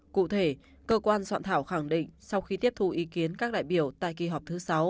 cụ thể cơ quan soạn thảo khẳng định sau khi tiếp thu ý kiến các đại biểu tại kỳ họp thứ sáu